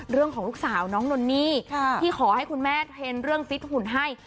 เรื่องของลูกสาวน้องนนี่ที่ขอให้คุณแม่เพลงเรื่องฟิตหุ่นให้